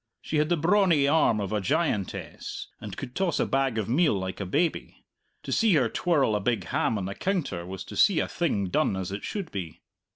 She had the brawny arm of a giantess, and could toss a bag of meal like a baby; to see her twirl a big ham on the counter was to see a thing done as it should be.